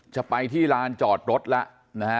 จะไปที่ร้านจอดรถแล้ว